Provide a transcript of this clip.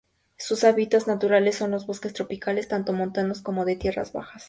Sus hábitats naturales son los bosques tropicales tanto montanos como de tierras bajas.